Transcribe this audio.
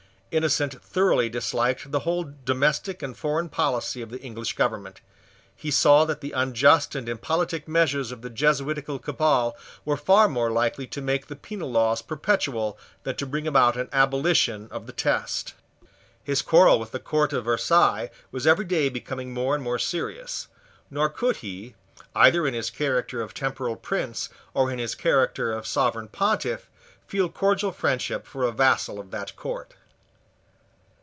Innocent thoroughly disliked the whole domestic and foreign policy of the English government. He saw that the unjust and impolitic measures of the Jesuitical cabal were far more likely to make the penal laws perpetual than to bring about an abolition of the test. His quarrel with the court of Versailles was every day becoming more and more serious; nor could he, either in his character of temporal prince or in his character of Sovereign Pontiff, feel cordial friendship for a vassal of that court.